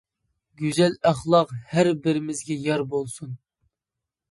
گۈزەل ئەخلاق ھەر بىرىمىزگە يار بولسۇن.